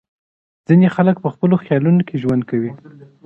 ځينې خلګ په خپلو خيالونو کي ژوند کوي.